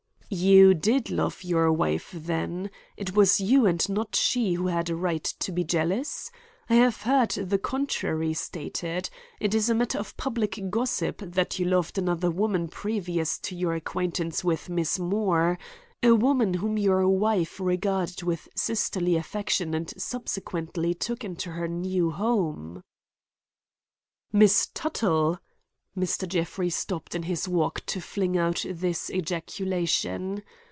"You did love your wife, then? It was you and not she who had a right to be jealous? I have heard the contrary stated. It is a matter of public gossip that you loved another woman previous to your acquaintance with Miss Moore; a woman whom your wife regarded with sisterly affection and subsequently took into her new home." "Miss Tuttle?" Mr. Jeffrey stopped in his walk to fling out this ejaculation.